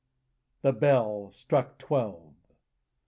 The bell struck twelve.